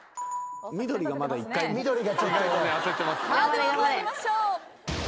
では参りましょう。